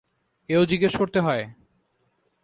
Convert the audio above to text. এও জিজ্ঞেস করতে হয়?